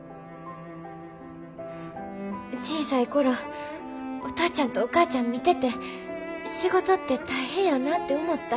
小さい頃お父ちゃんとお母ちゃん見てて仕事って大変やなて思った。